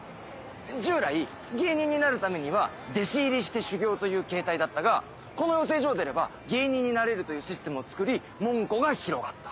従来芸人になるためには弟子入りして修業という形態だったがこの養成所を出れば芸人になれるというシステムをつくり門戸が広がった。